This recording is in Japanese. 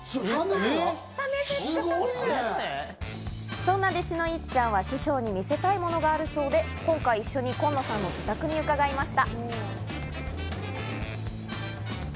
そんな弟子のいっちゃんは師匠に見せたいものがあるそうで、今回一緒にコンノさんの自宅に伺いました。